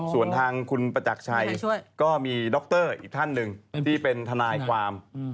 ส่วนทางคุณประจักรชัยก็มีดรอีกท่านหนึ่งที่เป็นทนายความ